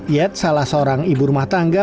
yet salah seorang ibu rumah tangga